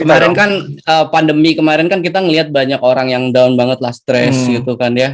kemarin kan pandemi kemarin kan kita melihat banyak orang yang down banget lah stress gitu kan ya